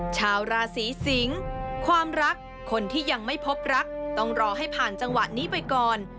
ชาวราศีสิงศ์ความรักคนที่ยังไม่พบรักต้องรอให้ผ่านจังหวะนี้ไปก่อน